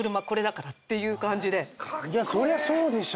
そりゃそうでしょ。